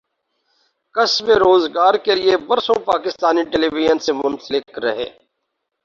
کسبِ روزگارکے لیے برسوں پاکستان ٹیلی وژن سے منسلک رہے